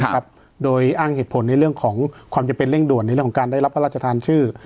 ครับโดยอ้างเหตุผลในเรื่องของความจำเป็นเร่งด่วนในเรื่องของการได้รับพระราชทานชื่อ